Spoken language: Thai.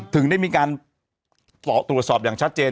ถึงได้มีการตรวจสอบอย่างชัดเจน